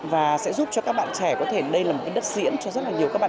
và sẽ giúp cho các bạn trẻ có thể đây là một cái đất diễn cho rất là nhiều các bạn